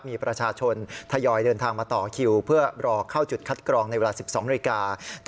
มีประชาชนทยอยเดินทางมาต่อคิวเพื่อรอเข้าจุดคัดกรองในเวลา๑๒นาฬิกา